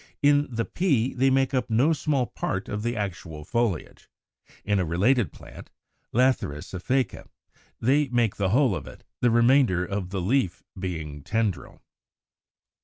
In the Pea they make up no small part of the actual foliage. In a related plant (Lathyrus Aphaca, Fig. 173), they make the whole of it, the remainder of the leaf being tendril.